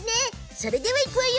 それではいくわよ。